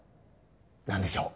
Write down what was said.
何でしょう？